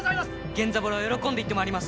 源三郎喜んで行ってまいります。